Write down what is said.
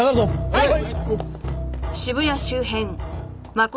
はい！